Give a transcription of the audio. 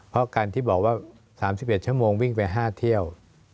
เพราะการที่บอกว่า๓๑ชั่วโมงวิ่งไป๕เที่ยว